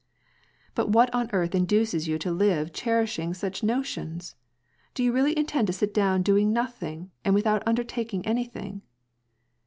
' '^But what on earth induces you to live cherishing such notions ? Do you really intend to sit down doing nothing, without undertaking anything